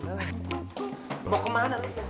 kayaknya berdarah nih